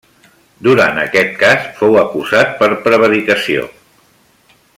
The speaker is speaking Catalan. Durant aquest cas fou acusat per prevaricació.